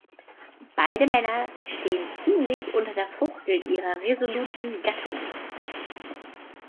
Beide Männer stehen ziemlich unter der Fuchtel ihrer resoluten Gattinnen.